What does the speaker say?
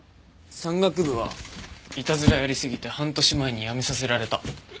山岳部はイタズラやりすぎて半年前に辞めさせられた。